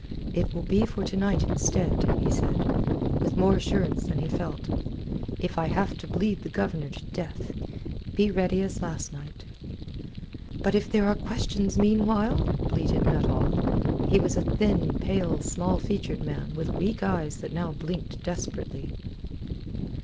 "It will be for to night instead," he said, with more assurance than he felt, "if I have to bleed the Governor to death. Be ready as last night." "But if there are questions meanwhile?" bleated Nuttall. He was a thin, pale, small featured, man with weak eyes that now blinked desperately.